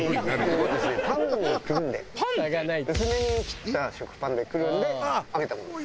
薄めに切った食パンでくるんで揚げたものです。